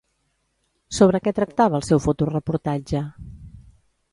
Sobre què tractava el seu fotoreportatge?